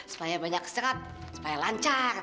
supaya banyak serat supaya lancar